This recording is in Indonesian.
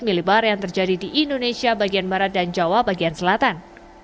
delapan belas milibar yang terjadi di indonesia bagian barat dan jawa bagian selatan